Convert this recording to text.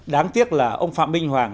đáng tiếc là ông phạm minh hoàng